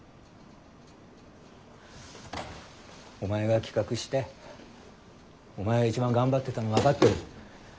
お前が企画してお前が一番頑張ってたの分かってる。